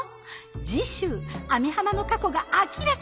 次週網浜の過去が明らかに！